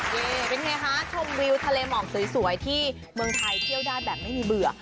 นี่เป็นไงคะชมวิวทะเลหมอกสวยที่เมืองไทยเที่ยวได้แบบไม่มีเบื่อ